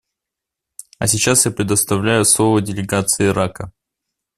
А сейчас я предоставляю слово делегации Ирака.